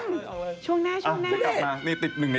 คุณเจมส์เรืองสะ